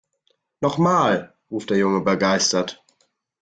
Noch mal!, ruft der Junge begeistert.